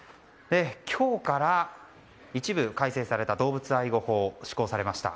今日から一部改正された動物愛護法が施行されました。